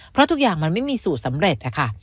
เพราะทุกอย่างมันไม่มีสูตรสำเร็จนะคะ